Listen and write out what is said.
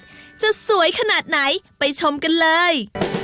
ในประเทศจะสวยขนาดไหนไปชมกันเลย